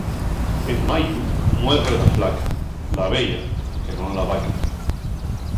En mayu, muerre la flaca; l'abeya, que non la vaca.